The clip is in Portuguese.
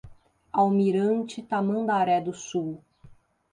Almirante Tamandaré do Sul